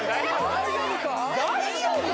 ・大丈夫か？